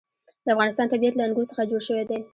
د افغانستان طبیعت له انګور څخه جوړ شوی دی.